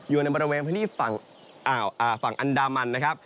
อยู่ในบริเวณพื้นที่ฝั่งอันดามันนะครับ